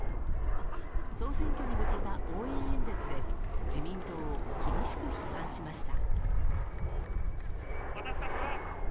総選挙に向けた応援演説で自民党を厳しく批判しました。